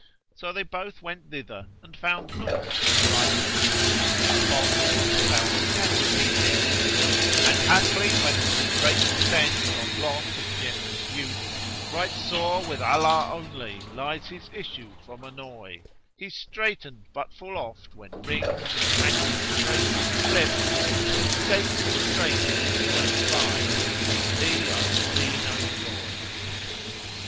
So they both went thither and found naught to affright them; whereupon the water fowl began repeating, "And haply whenas strait descends on lot of generous youth * Right sore, with Allah only lies his issue from annoy: He's straitened, but full oft when rings and meshes straitest clip, * He 'scapes his strait and joyance finds, albe I see no joy."